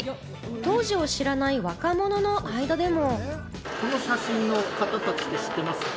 当時を知らない若者の間でも。